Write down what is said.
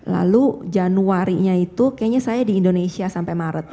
lalu januarinya itu kayaknya saya di indonesia sampai maret